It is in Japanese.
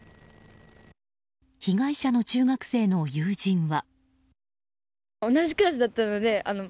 被害者の中学生の友人は。